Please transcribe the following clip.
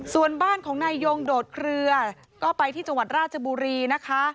ส่วนบ้านของนายยงโดดเคลือก็ไปที่จังหวัดราชบุรีนะคะ